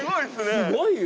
すごいよ！